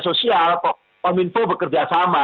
sosial pominfo bekerja sama